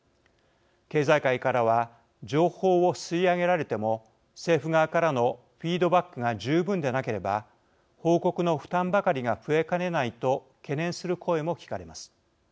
経済界からは情報を吸い上げられても政府側からのフィードバックが十分でなければ報告の負担ばかりが増えかねないと懸念する声も聞かれます。